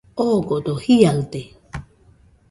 Odogo jiaɨde